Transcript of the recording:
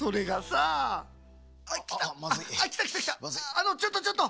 あのちょっとちょっと！